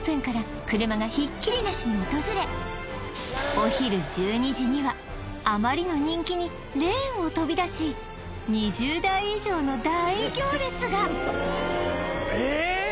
お昼１２時にはあまりの人気にレーンを飛び出し２０台以上の大行列がえーっ！